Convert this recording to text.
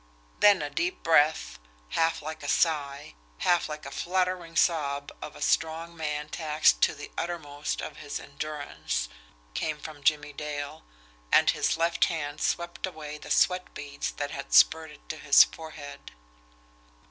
Then a deep breath, half like a sigh, half like a fluttering sob as of a strong man taxed to the uttermost of his endurance, came from Jimmie Dale, and his left hand swept away the sweat beads that had spurted to his forehead.